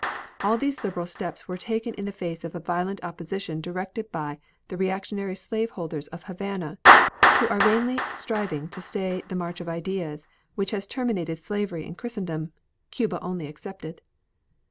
All these liberal steps were taken in the face of a violent opposition directed by the reactionary slaveholders of Havana, who are vainly striving to stay the march of ideas which has terminated slavery in Christendom, Cuba only excepted.